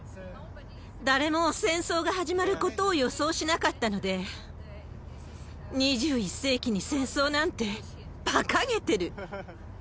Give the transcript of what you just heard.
誰も戦争が始まることを予想しなかったので、２１世紀に戦争なんてばかげてる。